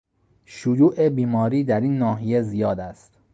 شیوع بیماری در این ناحیه زیاد است.